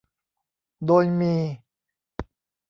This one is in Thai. โดยมี